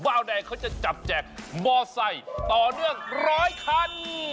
เบ้าแดงเค้าจะจับแจกบอไซค์ต่อเนื่อง๑๐๐คัน